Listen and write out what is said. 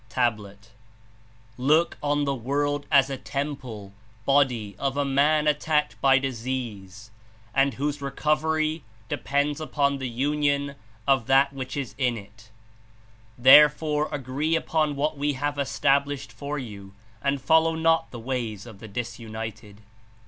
(Tablet) "Look on the world as a temple (body) of a man attacked by disease, and whose recovery depends upon the union of that which is in it; therefore agree upon what We have established for you, and follow not the ways of the disunited."